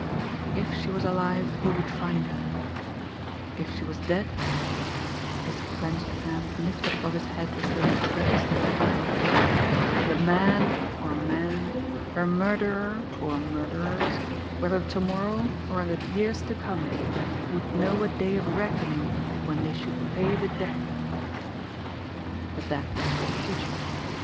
If she was alive, he would find her; if she was dead his clenched hand lifted above his head as though to register a vow the man or men, her murderer or murderers, whether to morrow or in the years to come, would know a day of reckoning when they should pay the debt! But that was for the future.